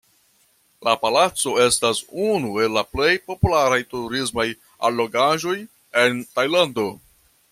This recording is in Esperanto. La palaco estas unu el la plej popularaj turismaj allogaĵoj en Tajlando.